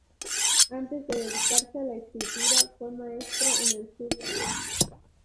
Antes de dedicarse a la escritura fue maestro en el sur de Francia.